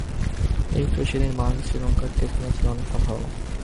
এই তো সেদিন বাংলাদেশ শ্রীলঙ্কার টেস্ট ম্যাচ নিয়ে অনেক কথা হলো।